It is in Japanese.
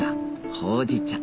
ほうじ茶